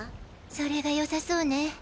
それがよさそうね。